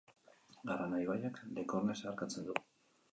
Harana ibaiak Lekorne zeharkatzen du.